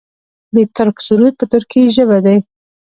د ترک سرود په ترکۍ ژبه دی.